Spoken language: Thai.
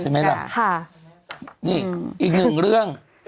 ใช่ไหมล่ะนี่อีกหนึ่งเรื่อง